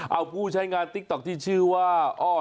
เอาผู้ใช้งานติ๊กต๊อกที่ชื่อว่าอ้อ